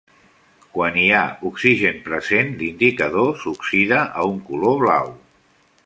Quan hi ha oxigen present, l'indicador s'oxida a un color blau.